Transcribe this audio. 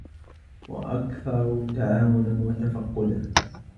وَأَكْثَرَ تَعَاوُنًا وَتَفَقُّدًا